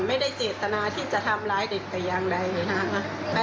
ไม่ได้เจตนาที่จะทำร้ายเด็กกันอย่างไรนะครับ